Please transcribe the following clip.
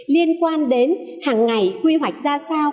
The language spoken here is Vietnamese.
liên quan đến hàng ngày quy hoạch ra sao